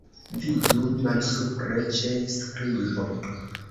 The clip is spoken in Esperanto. Vidu malsupre ĉe skribo.